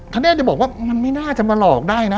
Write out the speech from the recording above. เนธจะบอกว่ามันไม่น่าจะมาหลอกได้นะ